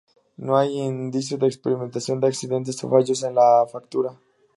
No hay indicios de experimentación, de accidentes o fallos en la factura.